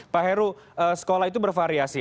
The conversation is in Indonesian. pak heru sekolah itu bervariasi